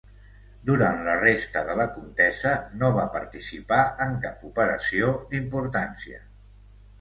Durant la resta de la contesa no va participar en cap operació d'importància.